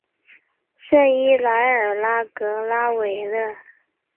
圣伊莱尔拉格拉韦勒。